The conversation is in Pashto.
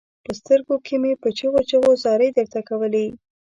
په سترګو کې مې په چيغو چيغو زارۍ درته کولې.